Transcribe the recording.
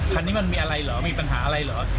แต่ครับตรงนี้คิดว่าก็ต้องร่วมกันแก้ปัญหาต่อไปแรก